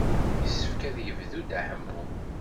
Yessefk ad yebdu Dda Ḥemmu.